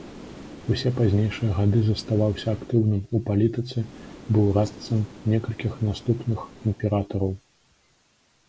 Усе пазнейшыя гады заставаўся актыўным у палітыцы, быў радцам некалькіх наступных імператараў.